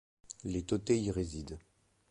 Les Tôtais y résident.